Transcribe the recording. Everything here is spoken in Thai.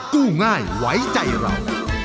กู้ง่ายไว้ใจเรา